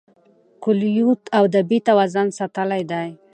کویلیو ادبي توازن ساتلی دی.